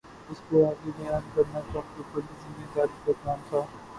اِس کو آگے بیان کرنا چونکہ بڑی ذمہ داری کا کام تھا